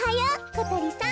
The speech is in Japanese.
ことりさん。